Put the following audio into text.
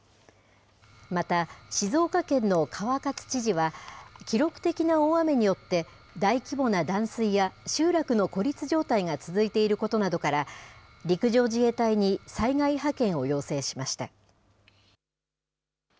また、静岡県の川勝知事は、記録的な大雨によって、大規模な断水や集落の孤立状態が続いていることなどから、陸上自衛隊に災害派遣を要請しました。